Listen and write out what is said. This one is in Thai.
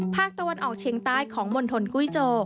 ภาคตะวันออกเชียงใต้ของมณฑลกุ้ยโจ